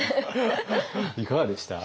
いかがでした？